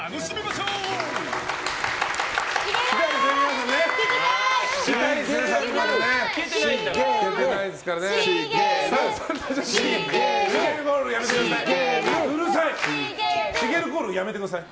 しげるコールやめてください。